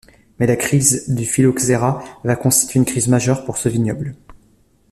Mais la crise du phyloxera va constituer une crise majeure pour ce vignoble.